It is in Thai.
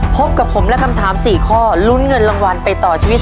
พบกับผมและคำถาม๔ข้อลุ้นเงินรางวัลไปต่อชีวิต